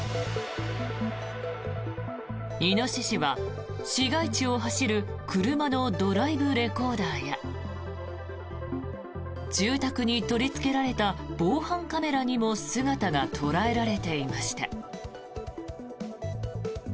イノシシは市街地を走る車のドライブレコーダーや住宅に取りつけられた防犯カメラにも姿が捉えられていました。